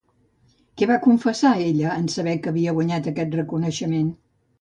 Què va confessar ella, en saber que havia guanyat aquest reconeixement?